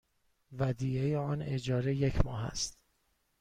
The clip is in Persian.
ودیعه آن اجاره یک ماه است.